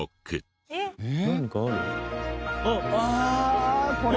何かある？